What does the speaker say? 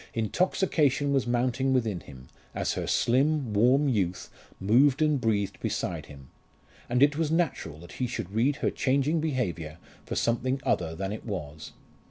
Intoxication was mounting within him, as her slim, warm youth moved and breathed beside him; and it was natural that he should read her changing behaviour for something other than it was.